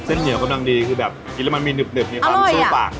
เส้นเหนียวก็ดังดีคือแบบกินแล้วมันมีเด็บในปังช่วยปาก